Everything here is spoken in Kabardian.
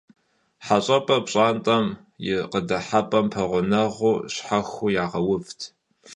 Heş'eşır pş'ant'em yi khıdıhep'em peğuneğuu, şhexueu yağeuvt.